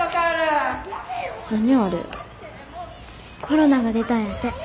コロナが出たんやて。